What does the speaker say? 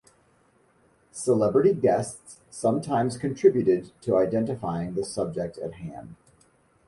Celebrity guests sometimes contributed to identifying the subject at hand.